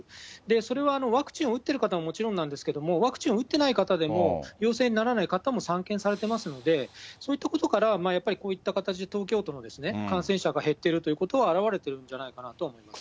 それは、ワクチンを打ってる方ももちろんなんですが、ワクチンを打ってない方でも、陽性にならない方も散見されてますので、そういったことから、やっぱりこういった形で、東京都の感染者が減っているということは表れているんじゃないかなと思います。